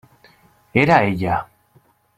Era ella.